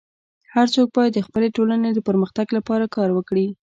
هر څوک باید د خپلي ټولني د پرمختګ لپاره کار وکړي.